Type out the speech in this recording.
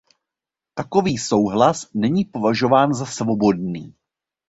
Takový souhlas není považován za svobodný.